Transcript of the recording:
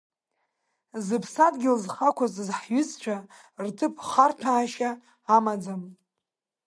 Зыԥсадгьыл зхы ақәызҵаз ҳҩызцәа рҭыԥ харҭәаашьа амаӡам.